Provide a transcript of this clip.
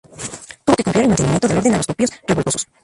Tuvo que confiar el mantenimiento del orden a los propios revoltosos.